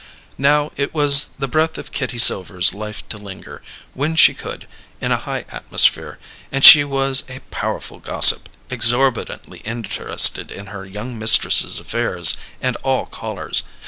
Now, it was the breath of Kitty Silver's life to linger, when she could, in a high atmosphere; and she was a powerful gossip, exorbitantly interested in her young mistress's affairs and all callers.